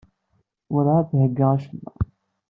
Werɛad d-theyya acemma.